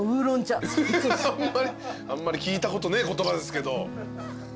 あんまり聞いたことねえ言葉ですけど。